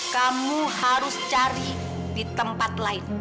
kamu harus cari di tempat lain